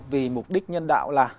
vì mục đích nhân đạo là